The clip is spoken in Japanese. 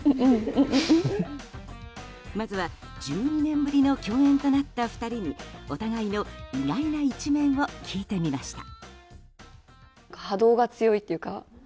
まずは１２年ぶりの共演となった２人にお互いの意外な一面を聞いてみました。